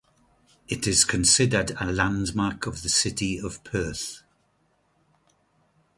It is considered a landmark of the City of Perth.